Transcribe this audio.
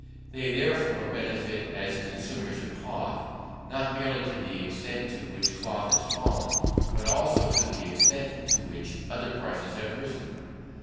They therefore benefit as consumers of cloth, not merely to the extent to which cloth has fallen, but also to the extent to which other prices have risen.